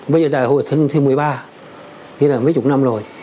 bây giờ đại hội lần thứ một mươi ba thì là mấy chục năm rồi